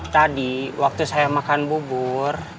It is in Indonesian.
tadi waktu saya makan bubur